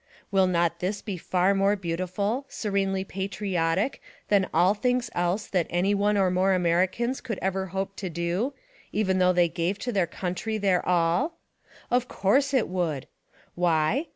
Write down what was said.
Will not this be far more beautiful, serenely patriotic than all things else that SPY PROOF AMERICA any one or more Americans could ever hope to do, even though they gave to their COU NTRY their all? Of course it would! Why?